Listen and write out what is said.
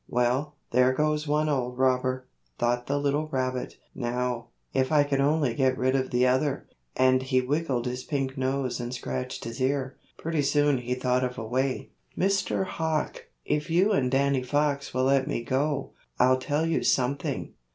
"Well, there goes one old robber," thought the little rabbit. "Now, if I could only get rid of the other," and he wiggled his pink nose and scratched his ear; pretty soon he thought of a way. "Mr. Hawk, if you and Danny Fox will let me go, I'll tell you something."